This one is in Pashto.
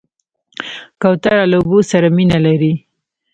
کوتره له اوبو سره مینه لري.